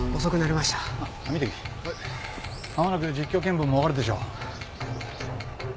まもなく実況見分も終わるでしょう。